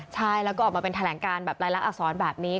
ใช่แล้วก็ออกมาเป็นแถลงการแบบรายลักษรแบบนี้